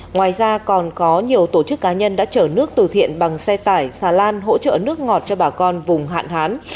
ngoài ra còn có nhiều tổ chức cá nhân đã chở nước từ thiện bằng xe tải xà lan hỗ trợ nước ngọt cho bà con vùng hạn hán